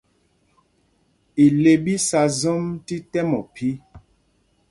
Ile ɓi sá zɔm tí tɛm ophī.